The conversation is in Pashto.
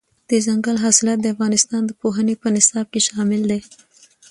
دځنګل حاصلات د افغانستان د پوهنې په نصاب کې شامل دي.